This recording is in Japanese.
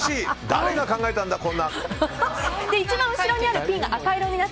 誰が考えたんだ、こんな。